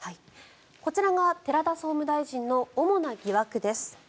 こちらが寺田総務大臣の主な疑惑です。